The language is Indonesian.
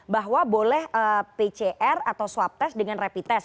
bahwa boleh pcr atau swab test dengan rapid test